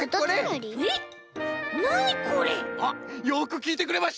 あっよくきいてくれました。